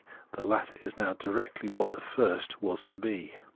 the latter is now directly what the first was to be.